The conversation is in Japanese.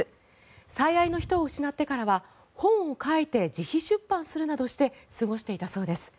最愛の人を失ってからは本を書いて自費出版するなどして過ごしていたそうです。